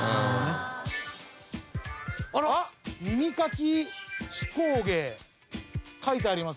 「耳かき手工芸」書いてあります